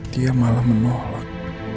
dia malah menolak